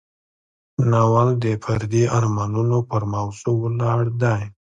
ناول د فردي ارمانونو پر موضوع ولاړ دی.